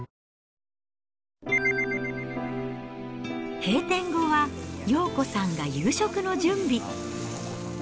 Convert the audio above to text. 閉店後は、洋子さんが夕食の準備。